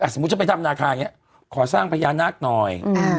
สมมุติจะไปทำนาคาอย่างนี้ขอสร้างพญานาคหน่อย